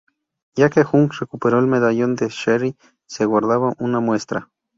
Ya que Hunk recuperó el medallón de Sherry que guardaba una muestra.